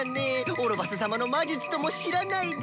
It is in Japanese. オロバス様の魔術とも知らないで。